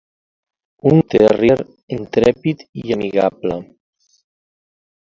Un Terrier intrèpid i amigable.